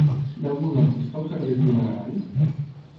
Hi ha algun lampista al carrer de Pi i Margall?